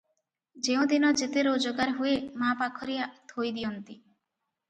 ଯେଉଁଦିନ ଯେତେ ରୋଜଗାର ହୁଏ, ମା ପାଖରେ ଥୋଇ ଦିଅନ୍ତି ।